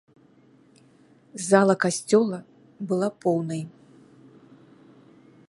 Зала касцёла была поўнай.